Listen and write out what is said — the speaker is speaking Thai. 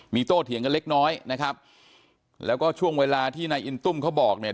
มีโตเถียงกันเล็กน้อยนะครับแล้วก็ช่วงเวลาที่นายอินตุ้มเขาบอกเนี่ย